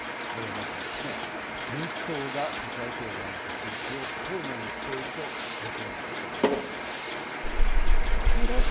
ＩＭＦは、戦争が世界経済の先行きを不透明にしていると警鐘を鳴らしています。